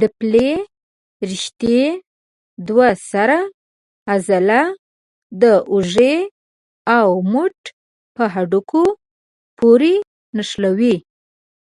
د پلې رشتې دوه سره عضله د اوږې او مټ په هډوکو پورې نښلوي.